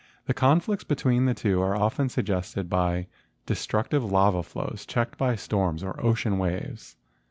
The conflicts between the two are often suggested by destructive lava flows checked by storms or ocean waves.